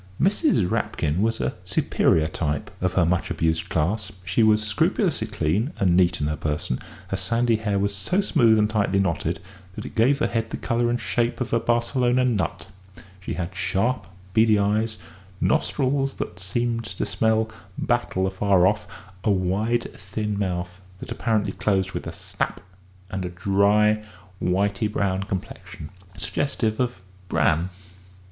Mrs. Rapkin was a superior type of her much abused class. She was scrupulously clean and neat in her person; her sandy hair was so smooth and tightly knotted that it gave her head the colour and shape of a Barcelona nut; she had sharp, beady eyes, nostrils that seemed to smell battle afar off, a wide, thin mouth that apparently closed with a snap, and a dry, whity brown complexion suggestive of bran.